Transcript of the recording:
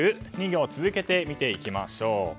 ２行続けて見ていきましょう。